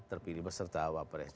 terpilih beserta wapresnya